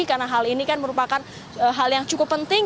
karena hal ini kan merupakan hal yang cukup penting